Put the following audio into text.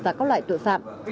và các loại tội phạm